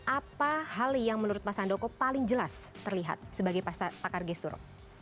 apa hal yang menurut mas handoko paling jelas terlihat sebagai pakar gestur